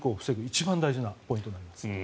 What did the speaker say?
一番大事なポイントになります。